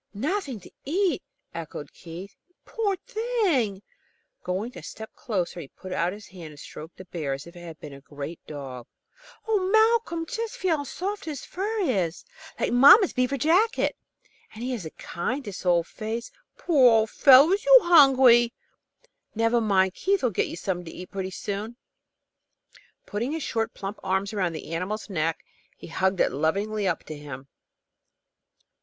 "Nothing to eat!" echoed Keith. "You poor old thing!" Going a step closer, he put out his hand and stroked the bear, as if it had been a great dog. "Oh, Malcolm, just feel how soft his fur is, like mamma's beaver jacket. And he has the kindest old face. Poor old fellow, is you hungry? Never mind, Keith'll get you something to eat pretty soon." Putting his short, plump arms around the animal's neck, he hugged it lovingly up to him.